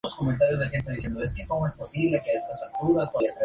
Este punto de vista es criticado por el filósofo ateo Michael Martin.